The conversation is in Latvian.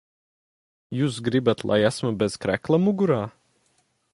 Jūs gribat, lai esmu bez krekla mugurā?